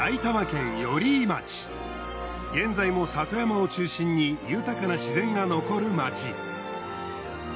現在も里山を中心に豊かな自然が残る町。